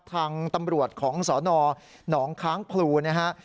ทางตำรวจของสนหนองค้างพลูนะฮะ